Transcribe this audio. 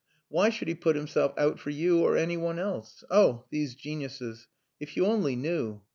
"Why should he put himself out for you or any one else? Oh! these geniuses. If you only knew!